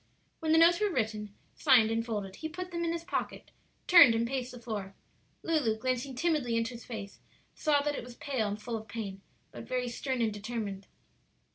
When the notes were written, signed, and folded he put them in his pocket, turned and paced the floor. Lulu, glancing timidly into his face, saw that it was pale and full of pain, but very stern and determined.